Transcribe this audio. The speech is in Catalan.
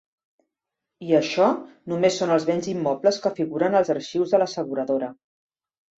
I això només són els béns immobles que figuren als arxius de l'asseguradora.